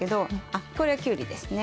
あっこれはきゅうりですね。